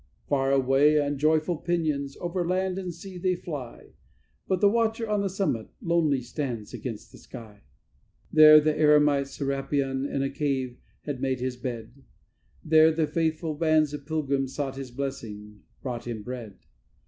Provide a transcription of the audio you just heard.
Far away, on joyful pinions, over land and sea they fly; But the watcher on the summit lonely stands against the sky. There the eremite Serapion in a cave had made his bed; There the faithful bands of pilgrims sought his blessing, brought him bread.